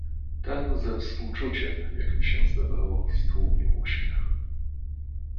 "Ten ze współczuciem, jak mi się zdawało, stłumił uśmiech."